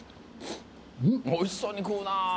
おいしそうに食うなぁ。